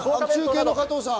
中継の加藤さ